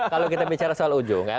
kalau kita bicara soal ujung ya